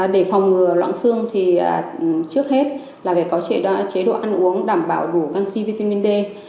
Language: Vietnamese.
để phòng ngừa loạn xương thì trước hết là phải có chế độ ăn uống đảm bảo đủ canxi vitamin d